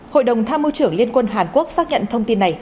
hội đồng tham mưu trưởng liên quân hàn quốc xác nhận thông tin này